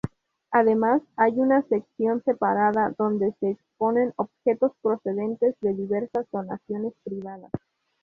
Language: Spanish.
Además, hay una sección separada donde se exponen objetos procedentes de diversas donaciones privadas.